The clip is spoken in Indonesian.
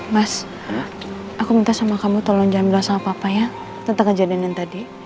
mas aku minta sama kamu tolong jam doa sama papa ya tentang kejadian yang tadi